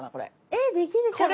えできるかな。